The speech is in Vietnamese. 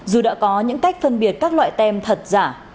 dù đã có những cách phân biệt các loại tem thật giả